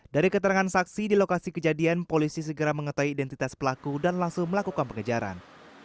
dari keterangan saksi di lokasi kejadian polisi segera mengetahui identitas pelaku dan langsung melakukan pengejaran